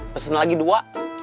pesen lagi dua